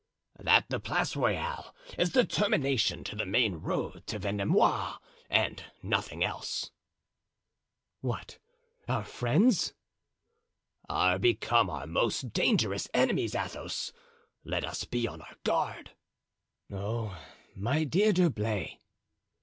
"That the Place Royale is the termination to the main road to Vendomois, and nothing else." "What! our friends?" "Are become our most dangerous enemies, Athos. Let us be on our guard." "Oh! my dear D'Herblay!"